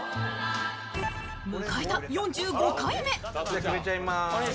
迎えた４５回目。